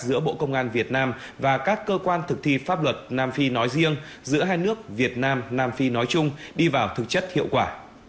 giữa bộ công an việt nam và các cơ quan thực thi pháp luật nam phi nói riêng giữa hai nước việt nam nam phi nói chung đi vào thực chất hiệu quả